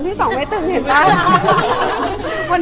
พอเสร็จจากเล็กคาเป็ดก็จะมีเยอะแยะมากมาย